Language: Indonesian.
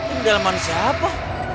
ini daleman siapa